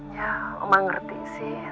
ya mama ngerti sih